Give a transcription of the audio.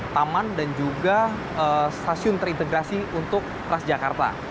taman dan juga stasiun terintegrasi untuk transjakarta